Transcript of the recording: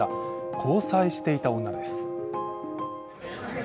交際していた女です。